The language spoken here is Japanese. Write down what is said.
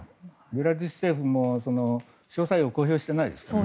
ベラルーシ政府も詳細を公表してないですよね。